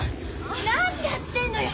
何やってんのよ。